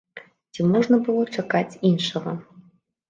Ці можна было чакаць іншага?